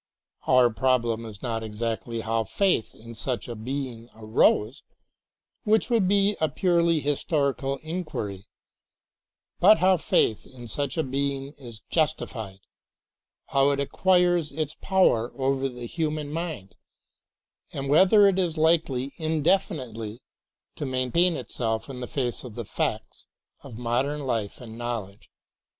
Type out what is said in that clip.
Our problem is not exactly how faith in such a Being arose, which would be a purely historical inquiry, but how faith in such a Being is justified, how it acquires its power over the human mind, and w^hether it is likely indefinitely to maintain itself in the face of the facts of modern life and knowledge.